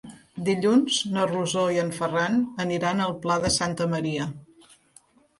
Dilluns na Rosó i en Ferran aniran al Pla de Santa Maria.